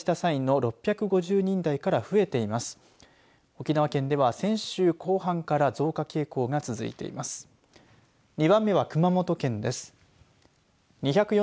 沖縄県では先週後半から増加傾向が続いています。